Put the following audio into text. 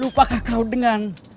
lupakah kau dengan